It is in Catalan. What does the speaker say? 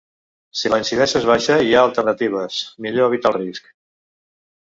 Si la incidència és baixa i hi ha alternatives, millor evitar el risc.